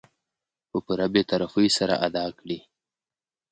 په پوره بې طرفي سره ادا کړي .